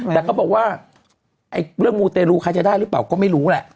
แต่เขาบอกว่าเรื่องมูเตรลูใครจะได้หรือเปล่าก็ไม่รู้แหละ